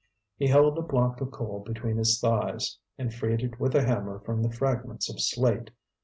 He held a block of coal between his thighs, and freed it with a hammer from the fragments of slate.